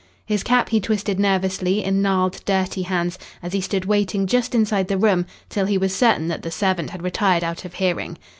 His cap he twisted nervously in gnarled, dirty hands as he stood waiting just inside the room till he was certain that the servant had retired out of hearing.